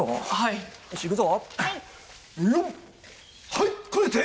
はいこねて！